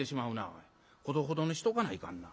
ほどほどにしとかないかんな。